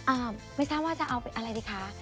ไม่ทราบว่าจะเอาไปอะไรดีคะ